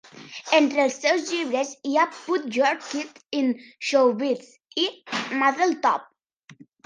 Entre els seus llibres hi ha "Put Your Kid in Show Biz" i "Mazel Tov!